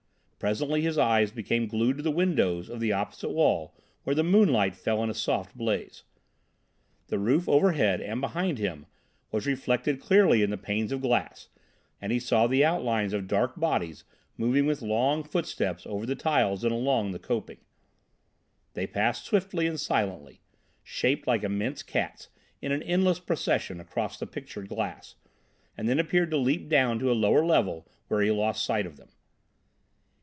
Presently his eyes became glued to the windows of the opposite wall where the moonshine fell in a soft blaze. The roof overhead, and behind him, was reflected clearly in the panes of glass, and he saw the outlines of dark bodies moving with long footsteps over the tiles and along the coping. They passed swiftly and silently, shaped like immense cats, in an endless procession across the pictured glass, and then appeared to leap down to a lower level where he lost sight of them.